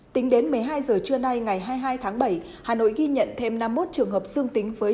tính đến một mươi hai giờ trưa nay ngày hai mươi hai tháng bảy hà nội ghi nhận thêm năm mươi một trường hợp dương tính với